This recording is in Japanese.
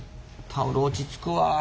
タオル落ち着くわあ。